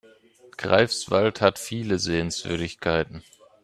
Greifswald hat viele Sehenswürdigkeiten